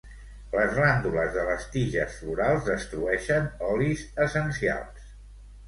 Les glàndules de les tiges florals destrueixen olis essencials.